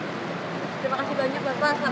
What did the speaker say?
terima kasih banyak bapak